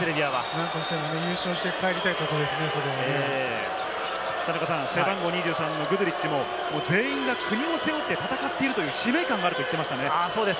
何としても優勝して帰り背番号２３、グドゥリッチも全員が国を背負って戦っているという使命感があると言っていましたね。